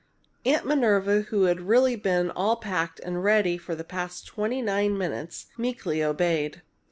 Aunt Minerva, who had really been all packed and ready for the past twenty nine minutes, meekly obeyed.